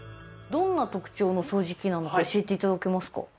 どんな特徴の掃除機なのか教えて頂けますか？